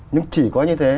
nhưng chỉ có như thế